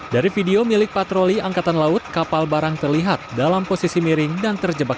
dari video milik patroli angkatan laut kapal barang terlihat dalam posisi miring dan terjebak